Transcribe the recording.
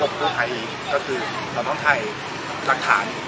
ระบบพวกไทยก็คือเราต้องถ่ายสักฐาน